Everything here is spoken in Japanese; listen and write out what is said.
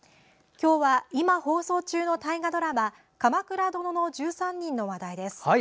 今日は、今放送中の大河ドラマ「鎌倉殿の１３人」の話題です。